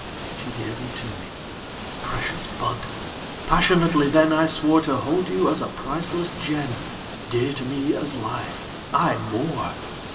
She gave you to me. Precious bud! Passionately then I swore To hold you as a priceless gem, Dear to me as life aye more!